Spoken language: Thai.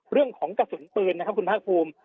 เรื่องของกระสุนปืนนะครับคุณภาคภูมิ